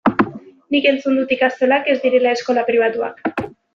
Nik entzun dut ikastolak ez direla eskola pribatuak.